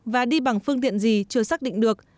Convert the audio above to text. và đi bằng phương tiện gì chưa xác định được